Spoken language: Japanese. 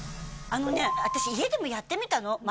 あのね私家でもやってみたの。